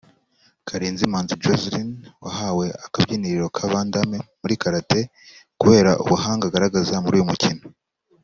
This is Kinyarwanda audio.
Karenzi Manzi Joslyn wahawe akabyiniriro ka Vandamme muri Karate kubera ubuhanga agaragaza muri uyu mukino